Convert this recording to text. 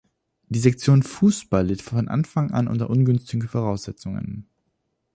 Die Sektion Fußball litt von Anfang an unter ungünstigen Voraussetzungen.